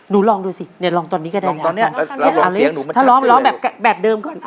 หนูลองดูซิลองตอนนี้ก็ได้เลยเอาเลยร้องแบบเดิมก่อน